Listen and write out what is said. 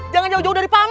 jangan jauh jauh dari paman